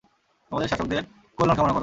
তোমাদের শাসকদের কল্যাণ কামনা কর।